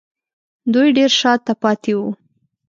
دوی ډېر شا ته پاتې وو